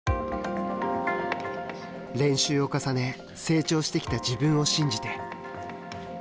練習を重ね成長してきた自分を信じて。